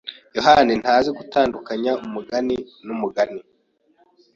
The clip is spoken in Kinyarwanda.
yohani ntazi gutandukanya umugani numugani.